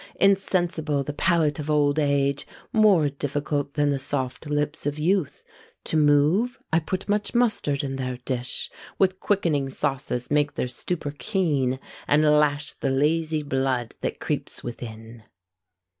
Insensible the palate of old age, More difficult than the soft lips of youth, To move, I put much mustard in their dish; With quickening sauces make their stupor keen, And lash the lazy blood that creeps within.